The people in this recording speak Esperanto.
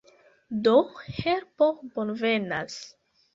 Do, helpo bonvenas.